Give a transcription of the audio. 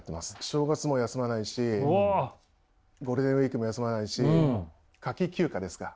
正月も休まないしゴールデンウイークも休まないし夏季休暇ですか？